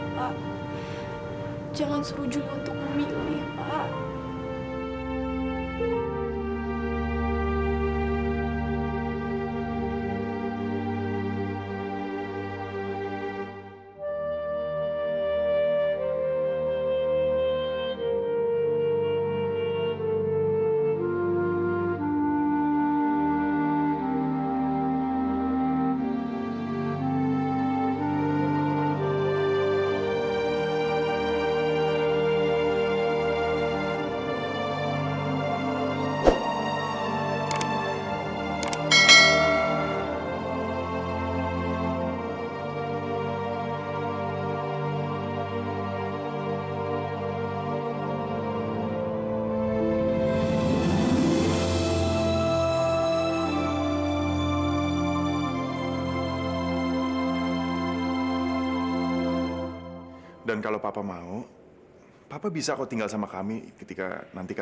redmi yang sakit